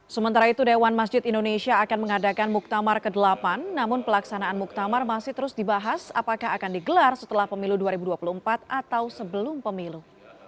sementara itu dewan masjid indonesia akan mengadakan muktamar ke delapan namun pelaksanaan muktamar masih terus dibahas apakah akan digelar setelah pemilu dua ribu dua puluh empat atau sebelum pemilu